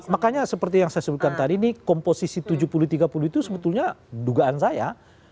makanya seperti yang saya sebutkan tadi ini komposisi tujuh puluh tiga puluh itu sebetulnya dugaan saya